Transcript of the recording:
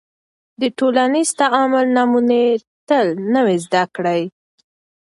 د ټولنیز تعامل نمونې تل نوې زده کړې